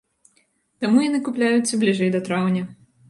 Таму яны купляюцца бліжэй да траўня.